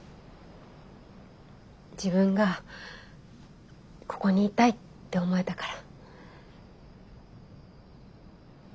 自分がここにいたいって思えたから。